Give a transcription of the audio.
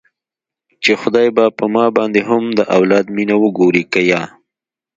چې خداى به په ما باندې هم د اولاد مينه وګوري که يه.